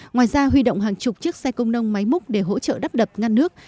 ngoài ra huy động hàng chục chiếc xe công nông máy múc để hỗ trợ đắp đập ngăn nước